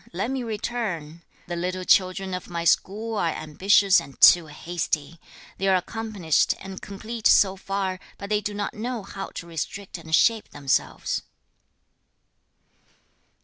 Let me return! The little children of my school are ambitious and too hasty. They are accomplished and complete so far, but they do not know how to restrict and shape themselves.'